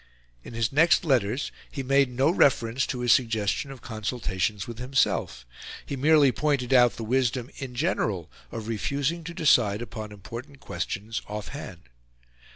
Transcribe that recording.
In his next letters he made no reference to his suggestion of consultations with himself; he merely pointed out the wisdom, in general, of refusing to decide upon important questions off hand.